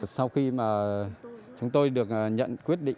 sau khi mà chúng tôi được nhận quyết định